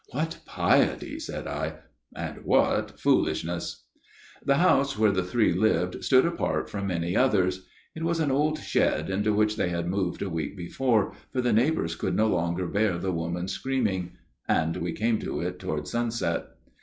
What piety ! said I, and what foolishness !" The house where the three lived stood apart from any others. It was an old shed into which they had moved a week before, for the neighbours FATHER MEURON'S TALE 41 could no longer bear the woman's screaming. And we came to it toward sunset.